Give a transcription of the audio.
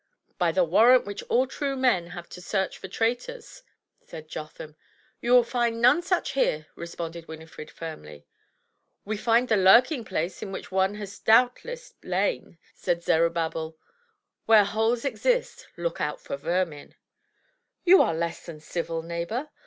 *'" By the warrant which all true men have to search for traitors," said Jotham. "You will find none such here,'* responded Winifred, firmly. "We find the lurking place in which one such has doubtless lain," said Zerubbabel. "Where holes exist, look out for vermin." "You are less than civil, neighbor.